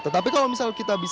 tetapi kalau misal kita bisa